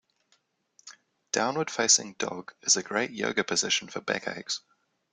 Downward facing dog is a great Yoga position for back aches.